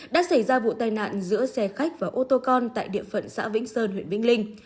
đã xảy ra vụ tai nạn giữa xe khách và ô tô con tại địa phận xã vĩnh sơn huyện vĩnh linh